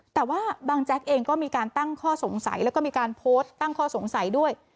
แต่ว่าบางแจ๊กเองก็มีการตั้งข้อสงสัยแล้วก็มีการโพสต์ตั้งข้อสงสัยด้วย